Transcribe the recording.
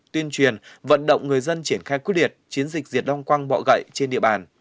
tuyên truyền vận động người dân triển khai quyết liệt chiến dịch diệt long quăng bọ gậy trên địa bàn